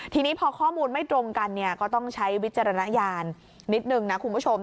ทีนี้พอข้อมูลไม่ตรงกันเนี่ยก็ต้องใช้วิจารณญาณนิดนึงนะคุณผู้ชม